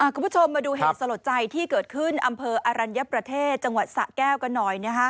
คุณผู้ชมมาดูเหตุสลดใจที่เกิดขึ้นอำเภออรัญญประเทศจังหวัดสะแก้วกันหน่อย